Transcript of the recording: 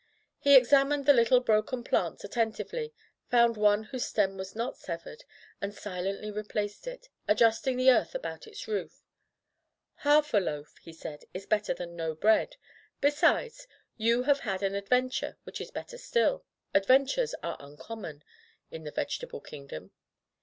He examined the little broken plants attentively, found one whose stem was not severed, and silently replaced it, adjusting the earth about its roots. "Haifa loaf," said he, "is better than no bread ; besides, you have had an adventure, which is better still. Adventures are uncom mon in the Vegetable Kingdom.'